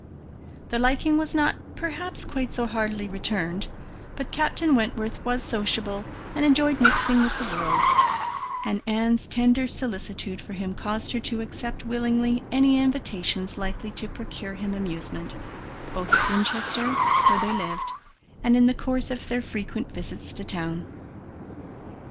The liking was not, perhaps, quite so heartily returned, but Captain Wentworth was sociable and enjoyed mixing with the world, and Anne's tender solicitude for him caused her to accept willingly any invitations likely to procure him amusement, both at Winchester, where they lived, and in the course of their frequent visits to town.